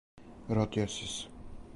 Родио си се!